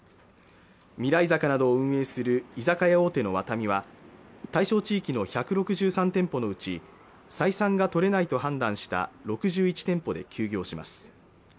ミライザカなどを運営する居酒屋大手のワタミは対象地域の１６３店舗のうち採算が取れないと判断した６１店舗で休業します